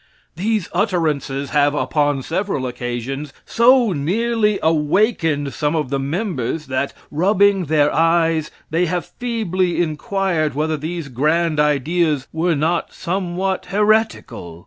These utterances have upon several occasions so nearly awakened some of the members, that, rubbing their eyes, they have feebly inquired whether these grand ideas were not somewhat heretical?